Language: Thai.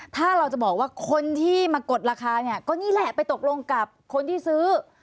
ถ้าเราจะบอกว่าคนที่มากดราคาเนี่ยก็นี่แหละไปตกลงกับคนที่ซื้อ